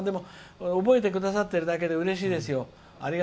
覚えてくださってるだけでうれしいですよ。